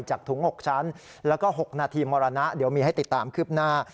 ถุง๖ชั้นแล้วก็๖นาทีมรณะเดี๋ยวมีให้ติดตามคืบหน้า